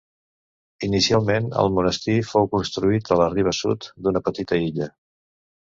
Inicialment, el monestir fou construït a la riba sud d'una petita illa.